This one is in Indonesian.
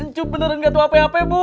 cukup beneran nggak tahu apa apa bu